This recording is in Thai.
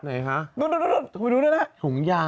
ไหนฮะ